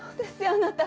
あなた！